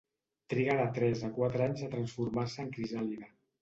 Triga de tres a quatre anys a transformar-se en crisàlide.